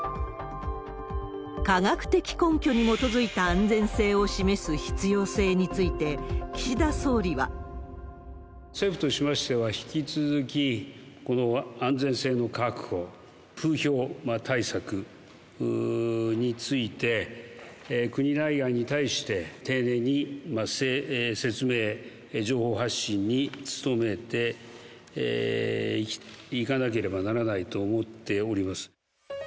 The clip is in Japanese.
科学的根拠に基づいた安全性を示す必要性について、岸田総理は。政府としましては引き続き、この安全性の確保、風評対策について、国内外に対して丁寧に説明、情報発信に努めていかなければならないと思っております。